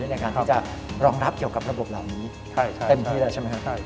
ในการที่จะรองรับเกี่ยวกับระบบเหล่านี้เต็มที่แล้วใช่ไหมครับ